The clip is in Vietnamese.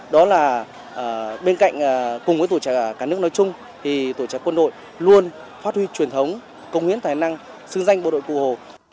đó là bên cạnh cùng với tổ chức cả nước nói chung thì tổ chức quân đội luôn phát huy truyền thống công hiến tài năng xứng danh bộ đội cụ hồ